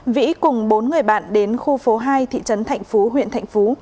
vĩ cùng bốn người bạn đến khu phố hai thị trấn thạnh phú huyện thạnh phú